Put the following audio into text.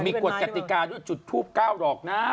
มีกฆกติกรรติกาจุทธูปเก้าหรอกนะ